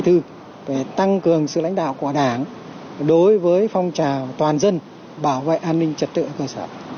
trong đó có nội dung về bảo vệ an ninh trật tự ở cơ sở